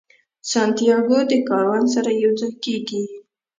سانتیاګو د کاروان سره یو ځای کیږي.